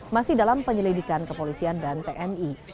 masih dalam penyelidikan kepolisian dan tni